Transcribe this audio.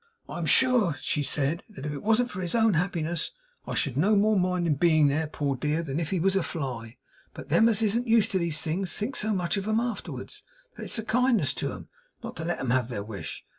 'I am sure,' she said, 'that if it wasn't for his own happiness, I should no more mind him being there, poor dear, than if he was a fly. But them as isn't used to these things, thinks so much of 'em afterwards, that it's a kindness to 'em not to let 'em have their wish.